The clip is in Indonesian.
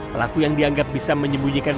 pelaku yang dianggap bisa menyembunyikan